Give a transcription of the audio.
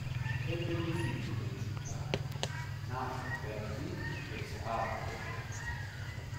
Ebbe due figli con il sultano, Nasr ben Ali e Saad ben Ali.